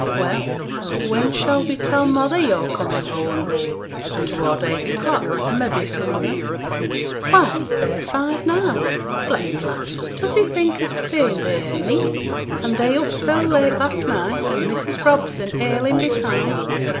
'Well! when shall we tell mother yo're comin' whoam?' 'Toward eight o'clock may be sooner.' 'Why it's bare five now! bless t' lad, does he think o' staying theere a' neet, and they up so late last night, and Mrs. Robson ailing beside?